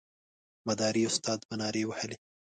مداري استاد به نارې وهلې.